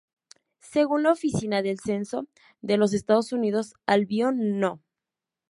Según la Oficina del Censo de los Estados Unidos, Albion No.